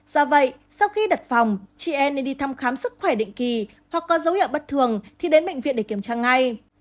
do vậy sau khi đặt phòng chị an nên đi thăm khám sức khỏe định kỳ hoặc có dấu hiệu bất thường thì đến bệnh viện để kiểm tra ngay